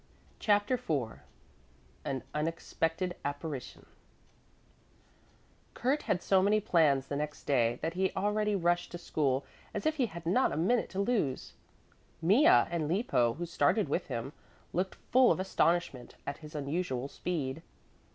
CHAPTER IV AN UNEXPECTED APPARITION Kurt had so many plans the next day that he already rushed to school as if he had not a minute to lose. Mea and Lippo, who started with him, looked full of astonishment at his unusual speed.